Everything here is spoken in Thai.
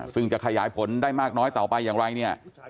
ซึ่งจะขยายผลได้มากน้อยต่อไปอย่างไรเนี่ย